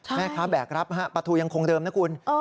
แม่คะแบกรับประทูยังคงเดิมนะคุณ